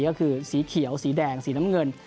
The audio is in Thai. ก็คือสีเขียวสีแดงสีน้ำเงิน